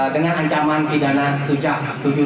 dengan ancaman pidana tujuh tahun